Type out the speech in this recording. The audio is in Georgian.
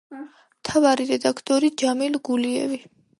მთავარი რედაქტორი ჯამილ გულიევი.